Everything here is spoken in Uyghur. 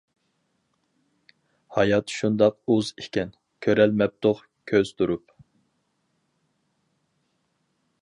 ھايات شۇنداق ئۇز ئىكەن، كۆرەلمەپتۇق كۆز تۇرۇپ.